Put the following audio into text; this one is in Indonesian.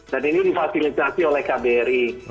dan ini difabilitasi oleh kbri